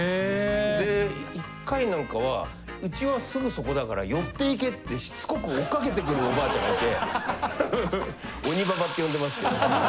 で１回なんかはうちはすぐそこだから寄っていけってしつこく追っかけてくるおばあちゃんがいて。